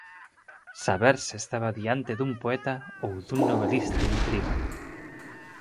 Saber se estaba diante dun poeta ou dun novelista de intriga.